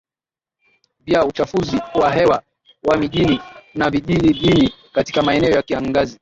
vya uchafuzi wa hewa wa mijini na vijijini Katika maeneo ya kiangazi